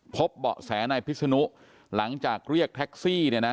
เบาะแสนายพิษนุหลังจากเรียกแท็กซี่เนี่ยนะ